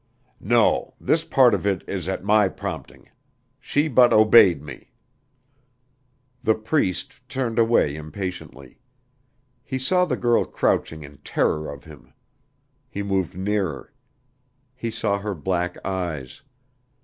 "No this part of it is at my prompting. She but obeyed me." The Priest turned away impatiently. He saw the girl crouching in terror of him. He moved nearer. He saw her black eyes.